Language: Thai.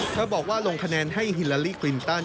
บอกว่าลงคะแนนให้ฮิลาลีคลินตัน